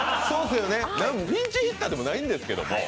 そうですね、ピンチヒッターでもないんですけども。